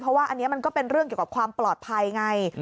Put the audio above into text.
เพราะว่าอันนี้มันก็เป็นเรื่องเกี่ยวกับความปลอดภัยไง